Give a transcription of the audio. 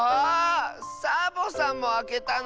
サボさんもあけたの⁉